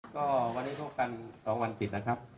ก็วันนี้พบกัน๒วันติดนะครับ